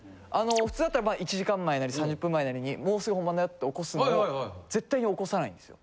普通だったら１時間前なり３０分前なりに「もうすぐ本番だよ」って起こすのを絶対に起こさないんですよ。